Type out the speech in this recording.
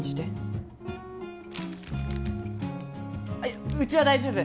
いやうちは大丈夫。